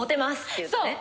って言ってね。